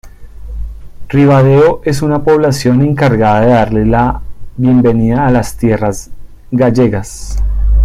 Ribadeo es la población encargada de darle la bienvenida a las tierras gallegas.